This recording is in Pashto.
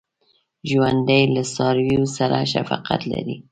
ژوندي له څارویو سره شفقت لري